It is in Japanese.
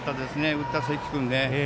打った関君ね。